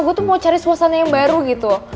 gue tuh mau cari suasana yang baru gitu